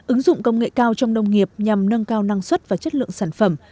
ứng dụng công nghệ cao trong nông nghiệp nhằm nâng cao năng suất và chất lượng sản phẩm